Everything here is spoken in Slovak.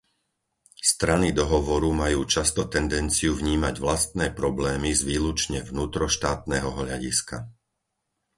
Strany dohovoru majú často tendenciu vnímať vlastné problémy z výlučne vnútroštátneho hľadiska.